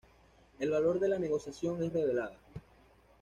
El valor de la negociación es revelada.